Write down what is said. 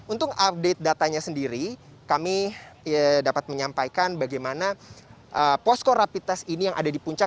untuk update datanya sendiri kami dapat menyampaikan bagaimana posko rapid test ini yang ada di puncak